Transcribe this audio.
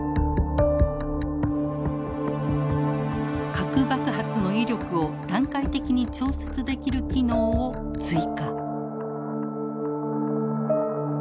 核爆発の威力を段階的に調節できる機能を追加。